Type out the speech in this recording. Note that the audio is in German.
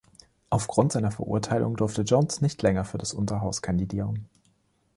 Aufgrund seiner Verurteilung durfte Jones nicht länger für das Unterhaus kandidieren.